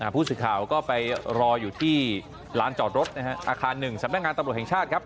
ผู้สื่อข่าวก็ไปรออยู่ที่ลานจอดรถอาคาร๑สำนักงานตำรวจแห่งชาติครับ